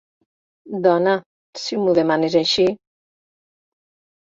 Dona, si m'ho demanes així...